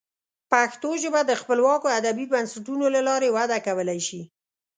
پښتو ژبه د خپلواکو ادبي بنسټونو له لارې وده کولی شي.